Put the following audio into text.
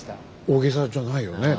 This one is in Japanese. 大げさじゃないよね。